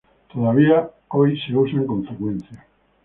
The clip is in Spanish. Todavía hoy se usan con frecuencia.